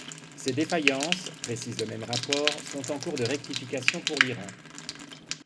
Ces défaillances, précise le même rapport, sont “en cours de rectification par l’Iran”.